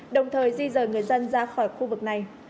đồng thời di rời người dân ra khỏi khu vực này